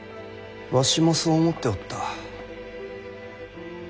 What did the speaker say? わしもそう思っておった。